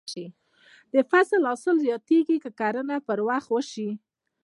د فصل حاصل زیاتېږي که کرنه پر وخت وشي.